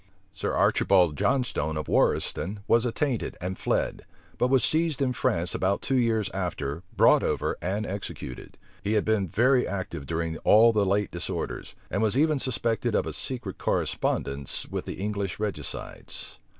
Sir Archibald Johnstone of Warriston was attainted and fled; but was seized in France about two years after, brought over, and executed. He had been very active during all the late disorders; and was even suspected of a secret correspondence with the English regicides.